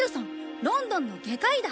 ロンドンの外科医だ。